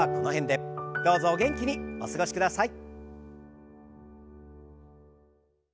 どうぞお元気にお過ごしください。